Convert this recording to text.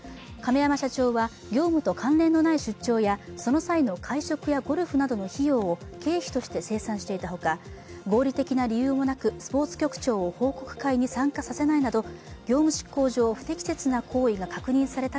亀山社長は、業務と関連のない出張やその際の会食やゴルフなどの費用を経費として精算していたほか、合理的な理由もなく、スポーツ局長を報告会に参加させないなど